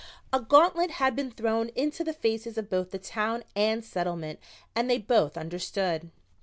A gauntlet had been thrown into the faces of both the Town and Settlement and they both understood.